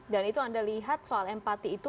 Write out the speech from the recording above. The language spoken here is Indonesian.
dan itu anda lihat soal empati itu